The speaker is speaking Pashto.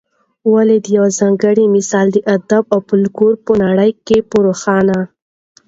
ولي دا یوځانګړی مثال د ادب او فلکلور په نړۍ کي په روښانه